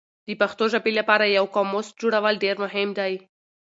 د پښتو ژبې لپاره یو قاموس جوړول ډېر مهم دي.